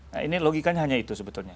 nah ini logikanya hanya itu sebetulnya